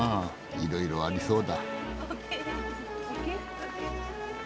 いろいろありそうだ。